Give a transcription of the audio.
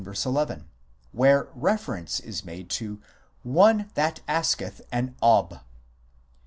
1 1, where reference is made to " one that asketh an "Ob."